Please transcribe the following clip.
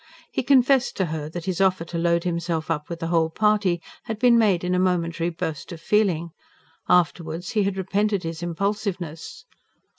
He confessed to her that his offer to load himself up with the whole party had been made in a momentary burst of feeling. Afterwards he had repented his impulsiveness.